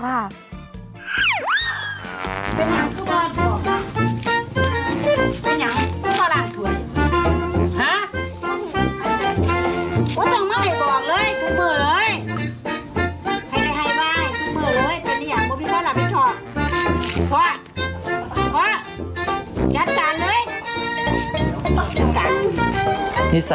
ภารกิจส